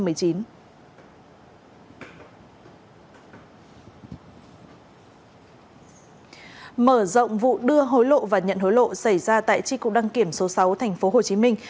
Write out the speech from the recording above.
mở rộng vụ đưa hối lộ và nhận hối lộ xảy ra tại chi cục đăng kiểm số sáu tp hồ chí minh